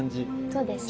そうですね。